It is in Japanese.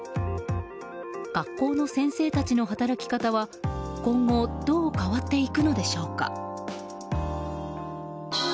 学校の先生たちの働き方は今後どう変わっていくのでしょうか。